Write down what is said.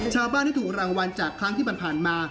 ชาวบ้านที่ถูกรางวัลจากครั้งที่ผ่านมา